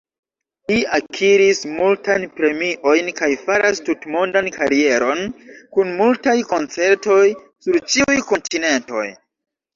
Li akiris multajn premiojn kaj faras tutmondan karieron kun multaj koncertoj sur ĉiuj kontinentoj.